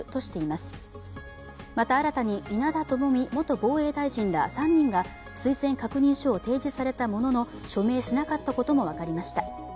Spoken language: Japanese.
また、新たに稲田朋美元防衛大臣ら３人が推薦確認書を提示されたものの署名しなかったことも分かりました。